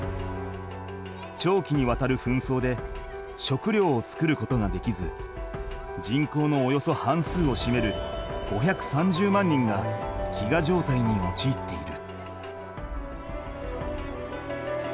長期にわたる紛争で食料を作ることができず人口のおよそ半数をしめる５３０万人が飢餓状態におちいっている。